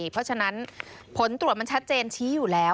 เพราะฉะนั้นผลตรวจมันชัดเจนชี้อยู่แล้ว